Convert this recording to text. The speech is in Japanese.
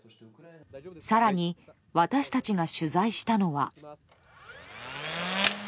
更に私たちが取材したのは。